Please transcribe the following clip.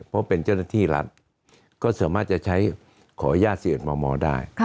เพราะเป็นเจ้าหน้าที่รัฐก็สามารถจะใช้ขออนุญาต๑๑มมได้